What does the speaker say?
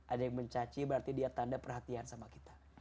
ada yang mencaci berarti dia tanda perhatian sama kita